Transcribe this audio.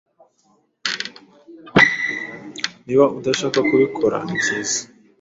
Niba udashaka kubikora, nibyiza.